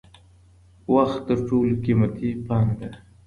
وخت تر ټولو قیمتی پانګه ده.